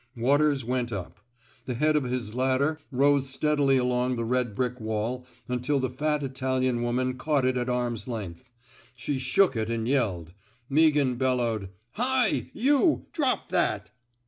"Waters went up. The head of his ladder rose steadily along the red brick wall until the fat Italian woman caught it at arm's length. She shook it and yelled. Meaghan bellowed: *' Hi, you! Drop that!